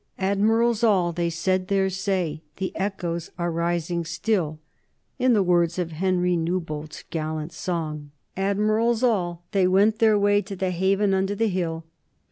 "Admirals all, they said their say, the echoes are rising still" in the words of Henry Newbolt's gallant song. "Admirals all, they went their way to the haven under the hill."